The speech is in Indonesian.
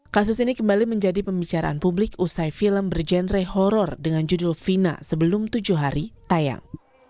kasus ini kembali menjadi pembicaraan publik usai film berjenre horror dengan judul fina sebelum tujuh hari tayang